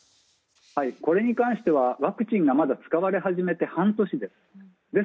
これに関してはワクチンがまだ使われ始めて半年です。